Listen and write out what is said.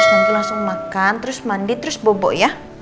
nanti langsung makan terus mandi terus bobo ya